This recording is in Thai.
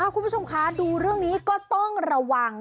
คุณผู้ชมคะดูเรื่องนี้ก็ต้องระวัง